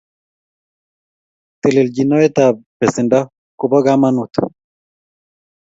Teleljinoetab besendo ko bo kamanut